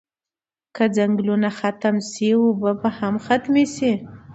که ځنګلونه ختم شی اوبه به هم ختمی شی